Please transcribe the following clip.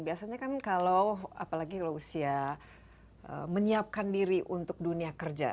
biasanya kan kalau apalagi kalau usia menyiapkan diri untuk dunia kerja